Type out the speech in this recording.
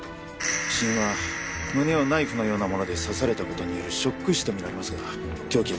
死因は胸をナイフのようなもので刺された事によるショック死とみられますが凶器は見つかっていません。